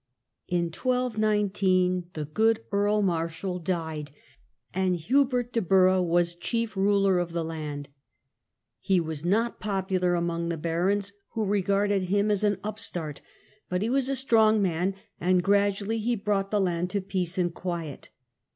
In 12 19 the good Earl Marshal died; and Hubert de Hubert de Burgh was chief ruler of the land. iS^and^for He was not popular among the barons, who the English, regarded him as an upstart; but he was a strong man, and gradually he brought the land to peace and quiet.